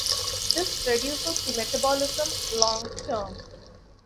This reduces the metabolism long-term.